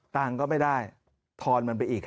เตี๋ยวก็ไม่ได้ทอนมันไปอีกฮะ